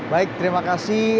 baik terima kasih